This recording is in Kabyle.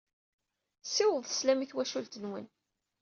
Ssiwḍet sslam i twacult-nwen.